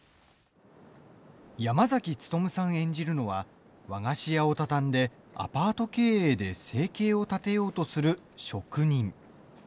山崎努さん演じるのは和菓子屋を畳んでアパート経営で生計を立てようとする職人。